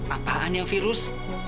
apaan ya virus